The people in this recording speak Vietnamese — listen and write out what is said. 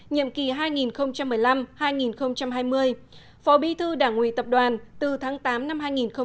nhiệm kỳ hai nghìn một mươi năm hai nghìn hai mươi phó bí thư đảng ủy tập đoàn từ tháng tám năm hai nghìn một mươi tám